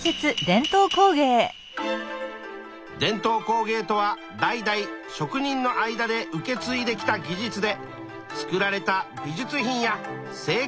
伝統工芸とは代々職人の間で受けついできた技術で作られた美術品や生活道具のこと。